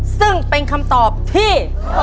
ซึ่งเป็นคำตอบที่